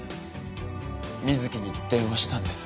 美月に電話したんです。